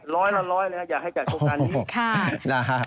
ร้อยละร้อยอยากให้จัดโครงการนี้อีกหรือไม่